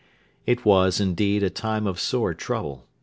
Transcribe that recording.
It was, indeed, a time of sore trouble.